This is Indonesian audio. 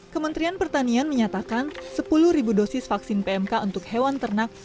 kementerian pertanian menyatakan sepuluh dosis vaksin pmk untuk hewan ternak